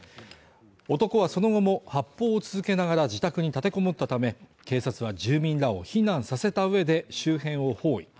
男はその後も発砲を続けながら自宅に立てこもったため、警察は住民らを避難させた上で、周辺を包囲。